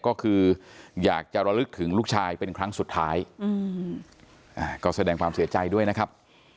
ก็คืออยากจะระลึกถึงลูกชายเป็นครั้งสุดท้ายก็แสดงความเสียใจด้วยนะครับ